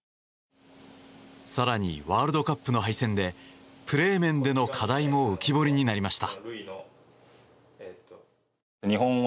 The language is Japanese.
更に、ワールドカップの敗戦でプレー面での課題も浮き彫りになりました。